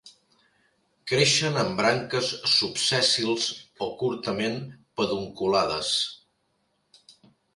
Creixen en branques subsèssils o curtament pedunculades.